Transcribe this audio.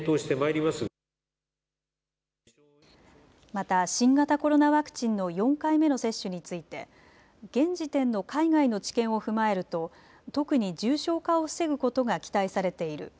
また新型コロナワクチンの４回目の接種について現時点の海外の知見を踏まえると特に重症化を防ぐことが期待されている。